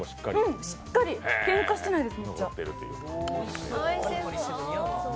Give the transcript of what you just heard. うん、しっかり、けんかしてないです。